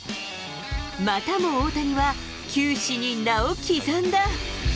またも大谷は、球史に名を刻んだ。